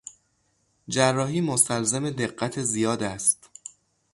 جراحی مستلزم دقت زیاد است.